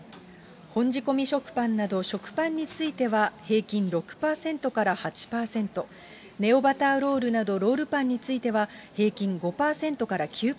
本仕込み食パンなど、食パンについては平均６％から８％、ネオバターロールなどロールパンについては平均５％から９％